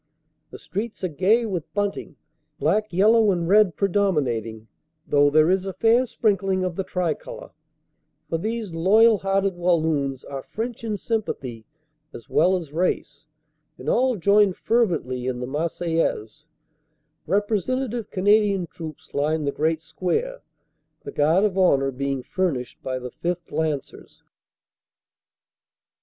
The streets are gay with bunting, black, yellow and red predomin ating, though there is a fair sprinkling of the tricolor, for these loyal hearted Walloons are French in sympathy as well as race, and all join fervently in the "Marseillaise." Repre sentative Canadian troops line the great square, the guard of honor being furnished by the 5th. Lancers.